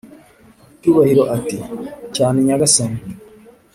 cyubahiro ati"cyane nyagasani"